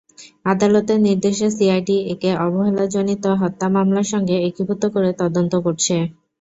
আদালতের নির্দেশে সিআইডি একে অবহেলাজনিত হত্যা মামলার সঙ্গে একীভূত করে তদন্ত করছে।